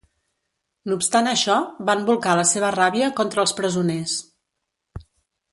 No obstant això, van bolcar la seva ràbia contra els presoners.